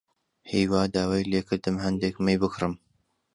هیوا داوای لێ کردم هەندێک مەی بکڕم.